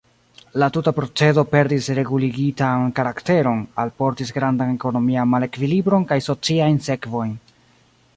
La tuta procedo perdis reguligitan karakteron, alportis grandan ekonomian malekvilibron kaj sociajn sekvojn.